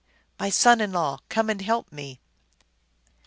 My son in law, come and help me